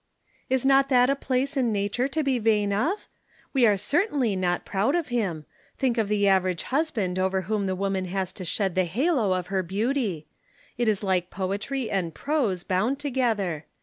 "Is not that a place in nature to be vain of? We are certainly not proud of him. Think of the average husband over whom the woman has to shed the halo of her beauty. It is like poetry and prose bound together.